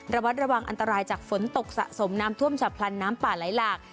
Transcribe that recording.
ระวัดระวังอันตรายจากฝนตกสะสมน้ำท่วมฉับพลันน้ำป่าไหลหลาก